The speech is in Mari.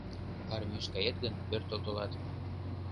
Армийыш кает гын, пӧртыл толат